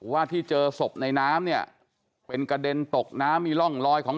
ว่าที่เจอศพในน้ำเนี่ยเป็นกระเด็นตกน้ำมีร่องลอยของ